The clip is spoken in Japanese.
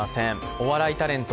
お笑いタレント